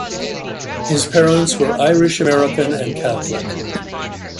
His parents were Irish American and Catholic.